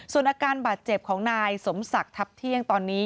ส่วนอาการบาดเจ็บของนายสมศักดิ์ทัพเที่ยงตอนนี้